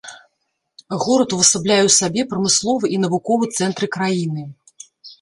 Горад увасабляе ў сабе прамысловы і навуковы цэнтры краіны.